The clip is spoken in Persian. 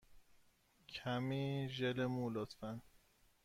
کمی ژل مو، لطفا.